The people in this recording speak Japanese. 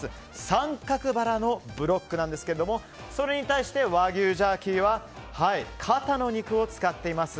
三角バラのブロックなんですけれどもそれに対し和牛ジャーキーは肩の肉を使っています。